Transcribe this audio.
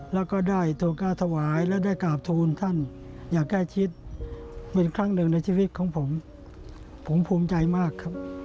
แล้วก็ได้โทรกล้าถวายและได้กราบทูลท่านอย่างใกล้ชิดเป็นครั้งหนึ่งในชีวิตของผมผมภูมิใจมากครับ